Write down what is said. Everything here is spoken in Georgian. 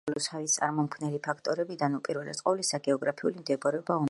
სამეგრელოს ჰავის წარმომქმნელი ფაქტორებიდან უპირველეს ყოვლისა გეოგრაფიული მდებარეობა უნდა აღინიშნოს.